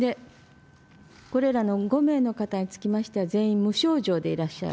これらの５名の方につきましては全員無症状でいらっしゃる。